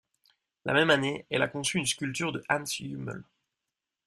La même année, elle a conçu une sculpture de Hans Hummel.